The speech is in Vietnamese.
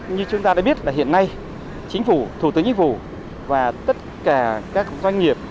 như chúng ta đã biết là hiện nay chính phủ thủ tướng nhất vụ và tất cả các doanh nghiệp